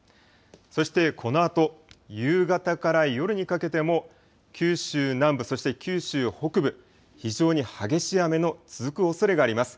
そしてこのあと、夕方から夜にかけても、九州南部、そして九州北部、非常に激しい雨の続くおそれがあります。